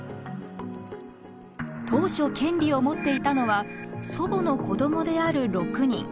当初権利を持っていたのは祖母の子供である６人。